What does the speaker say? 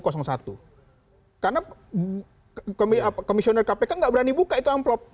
karena komisioner kpk gak berani buka itu amplop